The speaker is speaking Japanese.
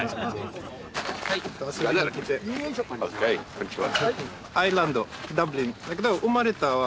こんにちは。